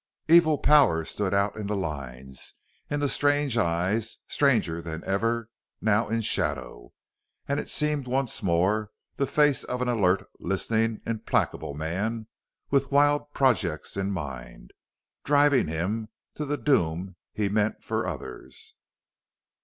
Evil power stood out in the lines, in the strange eyes, stranger then ever, now in shadow; and it seemed once more the face of an alert, listening, implacable man, with wild projects in mind, driving him to the doom he meant for others.